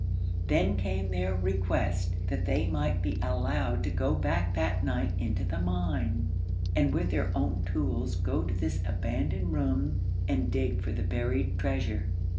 Then came their request that they might be allowed to go back that night into the mine, and with their own tools go to this abandoned room and dig for the buried treasure.